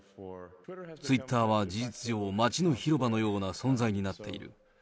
ツイッターは事実上、街の広場のような存在になっている。